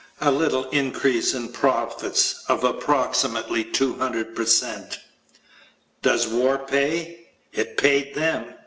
A little increase in profits of approximately 200 per cent. Does war pay? It paid them.